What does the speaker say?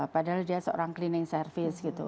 padahal dia seorang cleaning service gitu